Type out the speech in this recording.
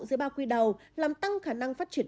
dưới bao quy đầu làm tăng khả năng phát triển